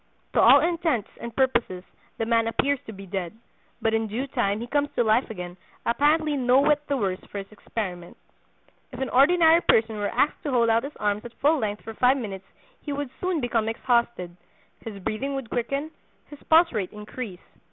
To all intents and purposes the man appears to be dead; but in due time he comes to life again, apparently no whit the worse for his experiment. If an ordinary person were asked to hold out his arms at full length for five minutes he would soon become exhausted, his breathing would quicken, his pulse rate increase.